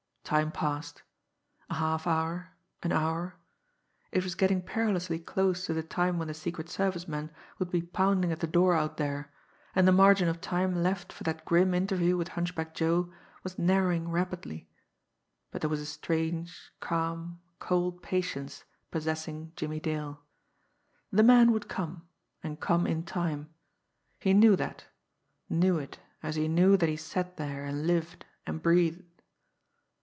Time passed a half hour an hour. It was getting perilously close to the time when the Secret Service men would be pounding at the door out there, and the margin of time left for that grim interview with Hunchback Joe was narrowing rapidly; but there was a strange, calm, cold patience possessing Jimmie Dale the man would come, and come in time he knew that, knew it as he knew that he sat there and lived and breathed.